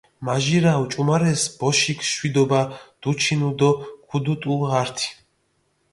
მაჟირა ოჭუმარეს ბოშიქ შვიდობა დუჩინუ დო ქუდუტუ ართი